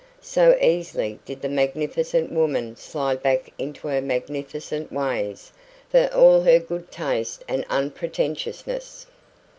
So easily did the magnificent woman slide back into her magnificent ways, for all her good taste and unpretentiousness.